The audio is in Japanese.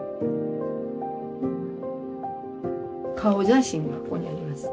顔写真がここにあります。